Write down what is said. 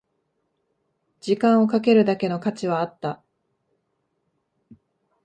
時間をかけるだけの価値はあった